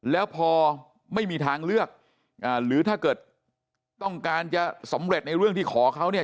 แล้วพอไม่มีทางเลือกหรือถ้าเกิดต้องการจะสำเร็จในเรื่องที่ขอเขาเนี่ย